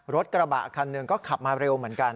รถกระบะคันหนึ่งก็ขับมาเร็วเหมือนกัน